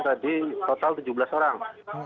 tadi total tujuh belas orang